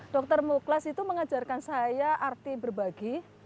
dokter muklas itu mengajarkan saya arti berbagi